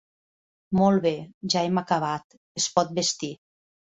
Molt bé, ja hem acabat; es pot vestir.